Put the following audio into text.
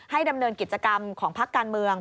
ดำเนินกิจกรรมของพักการเมือง